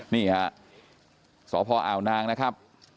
นี่ฮะสพอาวนางนะครับ